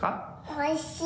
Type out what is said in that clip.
おいしい！